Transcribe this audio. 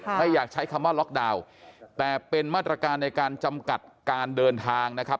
ไม่อยากใช้คำว่าล็อกดาวน์แต่เป็นมาตรการในการจำกัดการเดินทางนะครับ